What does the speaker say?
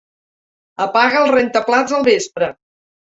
Apaga el rentaplats al vespre.